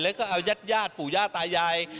แล้วก็เอายาดปู่ย่าตายาย